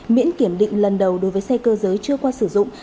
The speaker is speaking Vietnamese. miễn kiểm định lần đầu đối với xe cơ giới chưa qua sử dụng